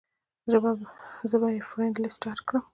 زۀ به ئې فرېنډ لسټ ته اېډ کړم -